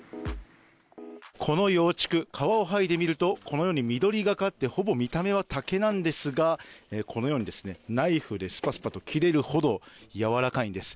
この幼竹皮をはいでみるとこのように緑がかってほぼ見た目は竹なんですがこのようにナイフでスパスパと切れるほどやわらかいんです。